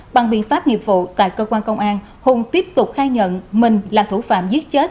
bằng biện pháp nghiệp vụ tại cơ quan công an hùng tiếp tục khai nhận mình là thủ phạm giết chết